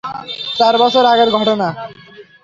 চার বছর আগের ঘটনা।